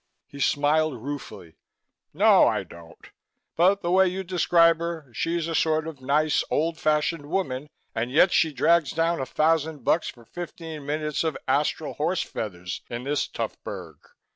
He smiled ruefully. "No, I don't, but the way you describe her, she's a sort of nice, old fashioned woman, and yet she drags down a thousand bucks for fifteen minutes of astral horse feathers in this tough burg.